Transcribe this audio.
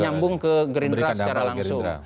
nyambung ke gerindra secara langsung